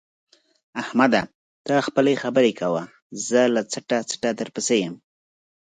احمده! ته خپلې خبرې کوه زه له څټه څټه درپسې یم.